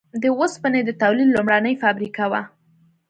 د اوسپنې د تولید لومړنۍ فابریکه وه.